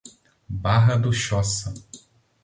Barra do Choça